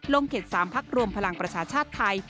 ลงเข็ด๓ภักดิ์รวมพลังประชาชาธิ์ไทย